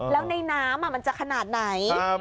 แล้วในน้ำมันจะขนาดไหน